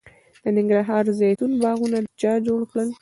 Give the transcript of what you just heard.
د ننګرهار د زیتون باغونه چا جوړ کړل؟